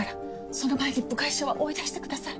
その前に部外者は追い出してください。